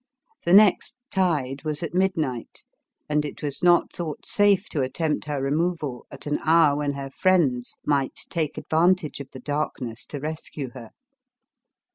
The next tide was at midnight, and it was not thought safe to atu mpt her removal at an hour when her friends might take advantage of the darkness to rescue her.